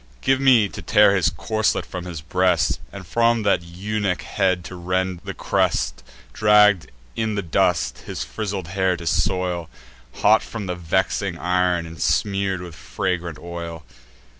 Give me to tear his corslet from his breast, And from that eunuch head to rend the crest; Dragg'd in the dust, his frizzled hair to soil, Hot from the vexing ir'n, and smear'd with fragrant oil!"